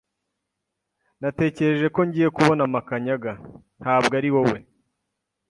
Natekereje ko ngiye kubona Makanyaga, ntabwo ari wowe.